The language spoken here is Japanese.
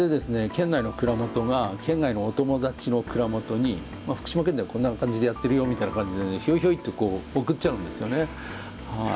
県内の蔵元が県外のお友達の蔵元に福島県ではこんな感じでやってるよみたいな感じでねひょいひょいっとこう送っちゃうんですよね。